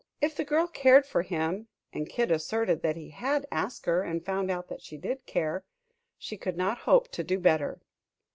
If the girl cared for him and Kid asserted that he had asked her and found out that she did care she could not hope to do better.